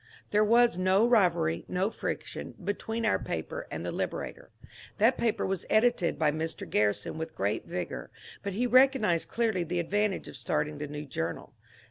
There was no rivalry nor friction between our paper and the ^^ Liberator." That paper was edited by Mr. Garrison with great vigour, but he recognized clearly the advantage of starting the new journal.